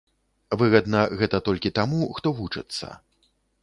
Выгадна гэта толькі таму, хто вучыцца.